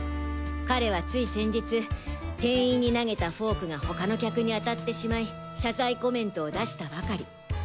彼はつい先日店員に投げたフォークが他の客に当たってしまい謝罪コメントを出したばかり。